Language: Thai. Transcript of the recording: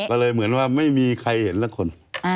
ก็เลยเหมือนว่าไม่มีใครเห็นสักคน